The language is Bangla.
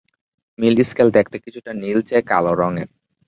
মিল স্কেল দেখতে কিছুটা নীলচে কাল রঙের।